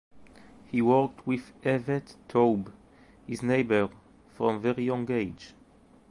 He worked with Evert Taube, his neighbor from a very young age.